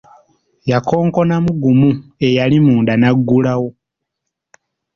Yakonkonamu gumu eyali munda n’aggulawo.